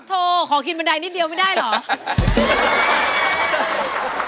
โทขอกินบันไดนิดเดียวไม่ได้เหรอ